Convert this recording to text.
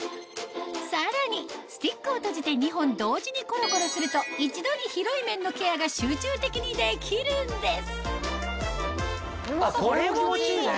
さらにスティックを閉じて２本同時にコロコロすると一度に広い面のケアが集中的にできるんですこれ気持ちいいね。